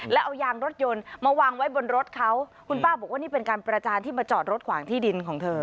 แล้วเอายางรถยนต์มาวางไว้บนรถเขาคุณป้าบอกว่านี่เป็นการประจานที่มาจอดรถขวางที่ดินของเธอ